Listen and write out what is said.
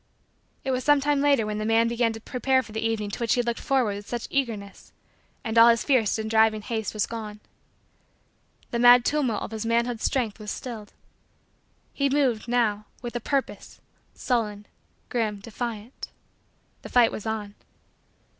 It was sometime later when the man began to prepare for the evening to which he had looked forward with such eagerness and all his fierce and driving haste was gone. The mad tumult of his manhood strength was stilled. He moved, now, with a purpose, sullen, grim, defiant. The fight was on.